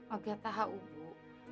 olga tau bu